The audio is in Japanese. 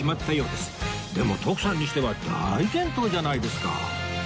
でも徳さんにしては大健闘じゃないですか